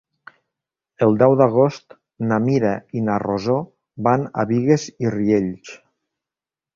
El deu d'agost na Mira i na Rosó van a Bigues i Riells.